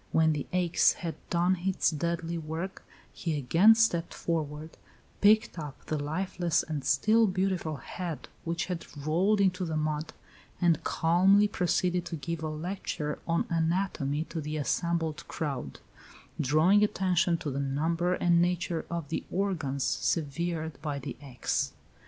When the axe had done its deadly work, he again stepped forward, picked up the lifeless and still beautiful head which had rolled into the mud, and calmly proceeded to give a lecture on anatomy to the assembled crowd, "drawing attention to the number and nature of the organs severed by the axe."